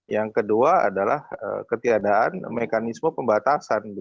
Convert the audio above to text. yang kedua adalah ketiadaan mekanisme pembatasan